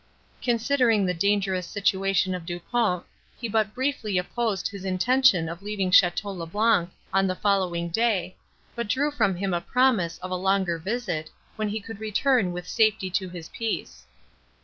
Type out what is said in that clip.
Considering the dangerous situation of Du Pont, he but feebly opposed his intention of leaving Château le Blanc, on the following day, but drew from him a promise of a longer visit, when he could return with safety to his peace.